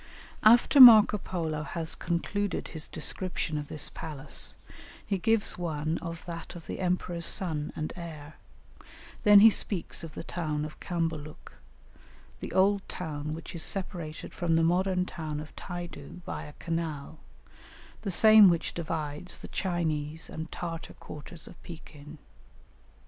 After Marco Polo has concluded his description of this palace, he gives one of that of the emperor's son and heir; then he speaks of the town of Cambaluc, the old town which is separated from the modern town of Taidu by a canal, the same which divides the Chinese and Tartar quarters of Pekin.